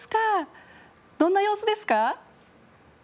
どんな様子ですか？